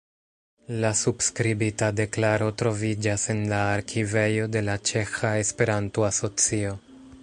La subskribita deklaro troviĝas en la arkivejo de la Ĉeĥa Esperanto-Asocio.